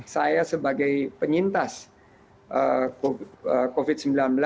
saya sebagai penyintas covid sembilan belas